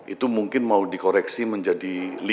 itu mungkin mau dikoreksi menjadi lima